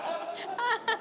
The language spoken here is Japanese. ハハハハ！